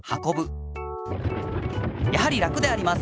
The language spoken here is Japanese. やはり楽であります。